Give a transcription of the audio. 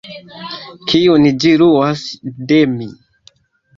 kiun ĝi luas de mi.